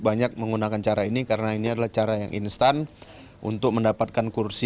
banyak menggunakan cara ini karena ini adalah cara yang instan untuk mendapatkan kursi